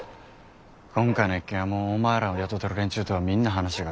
今回の一件はもうお前らを雇てる連中とみんな話がついたてな。